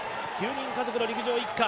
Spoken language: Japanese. ９人家族の陸上一家。